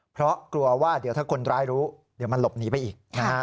เพราะกลัวว่าเดี๋ยวถ้าคนร้ายรู้เดี๋ยวมันหลบหนีไปอีก